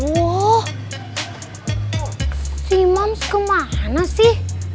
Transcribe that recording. aduh si mams kemana sih